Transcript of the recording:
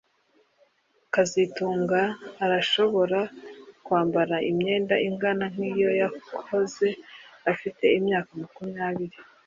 kazitunga arashobora kwambara imyenda ingana nkiyo yakoze afite imyaka makumyabiri